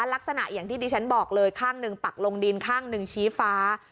ลักษณะอย่างที่ดิฉันบอกเลยข้างหนึ่งปักลงดินข้างหนึ่งชี้ฟ้า